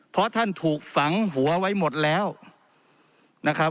เพราะท่านถูกฝังหัวไว้หมดแล้วนะครับ